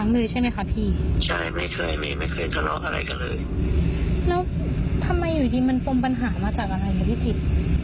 เราก็ไม่รู้ค่ะตอนตรงเนี้ย